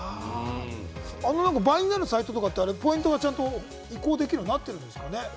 倍になるサイトとかってポイントとか移行できるようになってるんですかね？